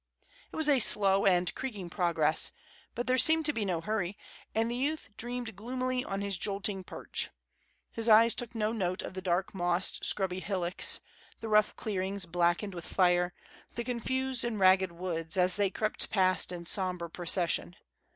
It was a slow and creaking progress; but there seemed to be no hurry, and the youth dreamed gloomily on his jolting perch. His eyes took no note of the dark mossed, scrubby hillocks, the rough clearings blackened with fire, the confused and ragged woods, as they crept past in sombre procession.